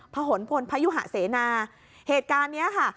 หนพลพยุหะเสนาเหตุการณ์เนี้ยค่ะ